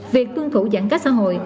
việc tuân thủ giãn cách xã hội